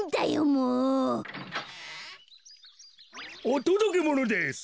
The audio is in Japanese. おとどけものです。